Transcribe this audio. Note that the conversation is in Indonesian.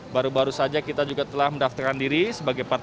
baru baru saja kita juga telah mendaftarkan diri sebagai partai